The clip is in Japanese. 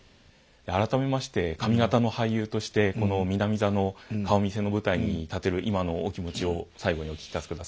改めまして上方の俳優としてこの南座の顔見世の舞台に立てる今のお気持ちを最後にお聞かせください。